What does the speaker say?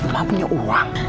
mak punya uang